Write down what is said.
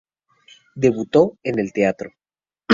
Debutó en el teatro.